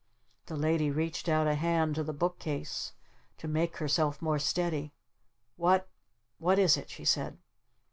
The Lady reached out a hand to the book case to make herself more steady. "What what is it?" she said.